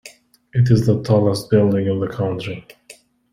It is the tallest building in the country.